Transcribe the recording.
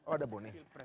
oh udah bonnie